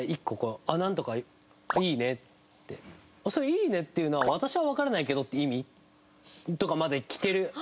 「“いいね！”っていうのは“私はわからないけど”って意味？」とかまで。